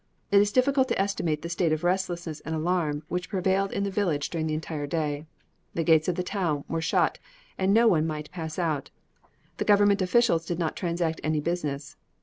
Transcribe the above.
It is difficult to estimate the state of restlessness and alarm which prevailed in the village during the entire day. The gates of the town were shut, that no one might pass out. The government officials did not transact any business.